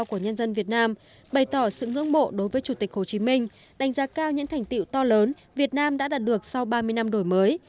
của nhân dân việt nam bày tỏ sự ngưỡng mộ đối với chủ tịch hồ chí minh đánh giá cao những thành tiệu to lớn việt nam đã đạt được sau ba mươi năm đổi mới